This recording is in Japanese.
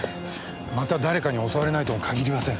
また誰かに襲われないとも限りません。